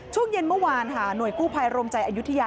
ช่วงเย็นเมื่อวานค่ะหน่วยกู้ภัยโรมใจอายุทยา